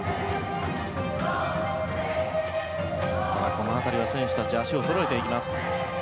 この辺りは選手たち脚をそろえていきます。